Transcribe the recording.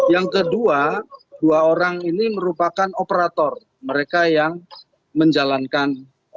yang kedua dua orang ini merupakan operator mereka yang menjalankan